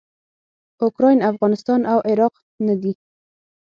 اوکراین افغانستان او عراق نه دي.